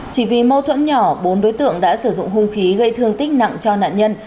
chỉ vì mâu thuẫn nhỏ bốn đối tượng đã sử dụng hung khí gây thương tích nặng cho nạn nhân